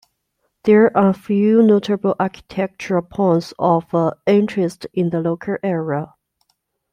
There are few notable architectural points of interest in the local area.